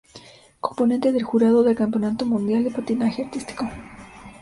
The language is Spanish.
Componente del jurado del Campeonato Mundial de Patinaje Artístico.